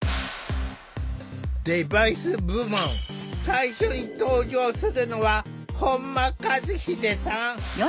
デバイス部門最初に登場するのは本間一秀さん。